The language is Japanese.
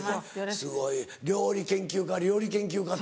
すごい料理研究家料理研究家と。